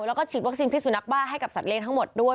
แล้วก็ฉีดวัคซีนพิสุนักบ้าให้กับสัตว์เลี้ยทั้งหมดด้วย